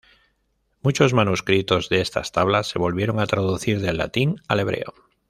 Muchos manuscritos de estas tablas se volvieron a traducir del latín al hebreo.